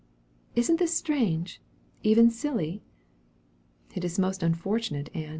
Isn't this strange even silly?" "It is most unfortunate, Ann."